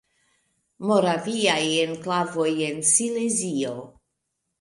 Moraviaj enklavoj en Silezio.